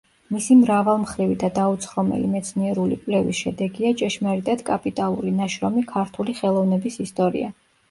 მისი მრავალმხრივი და დაუცხრომელი მეცნიერული კვლევის შედეგია ჭეშმარიტად კაპიტალური ნაშრომი „ქართული ხელოვნების ისტორია“.